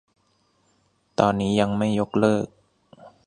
ตอนนี้ยังไม่ยกเลิก